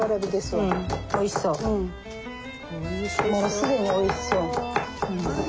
もう既においしそう。